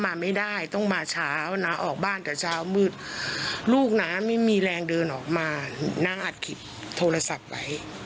มาไม่ได้ต้องมาเช้าน้าออกบ้านแต่เช้ามืดลูกน้าไม่มีแรงเดินออกมานางอัดคลิปโทรศัพท์ไว้